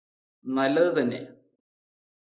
നല്ലത് തന്നെ